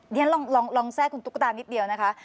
ฉันลองแทรกคุณตุ๊กตานิดเดียวนะคะ